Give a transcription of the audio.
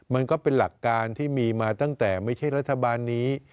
มันก็เป็นหลักการที่มีมาตั้งแต่ไม่ใช่รัฐบาลนี้